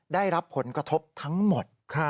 ได้รับผลกระทบทั้งหมด